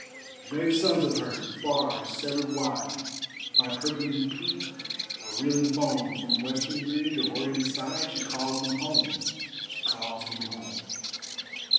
Brave sons of her, far severed wide By purpling peak or reeling foam; From western ridge or orient side, She calls them home, she calls them home.